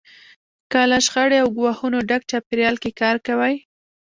که له شخړې او ګواښونو ډک چاپېریال کې کار کوئ.